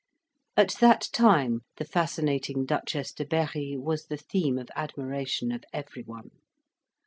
At that time the fascinating Duchess de Berri was the theme of admiration of everyone.